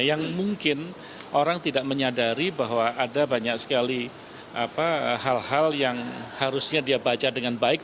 yang mungkin orang tidak menyadari bahwa ada banyak sekali hal hal yang harusnya dia baca dengan baik